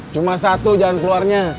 cuma satu jalan keluarnya